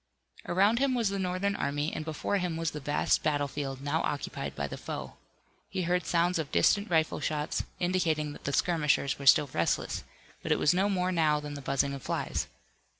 Around him was the Northern army, and before him was the vast battlefield, now occupied by the foe. He heard sounds of distant rifle shots, indicating that the skirmishers were still restless, but it was no more now than the buzzing of flies.